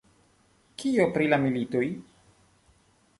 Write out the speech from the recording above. Kio pri la militoj?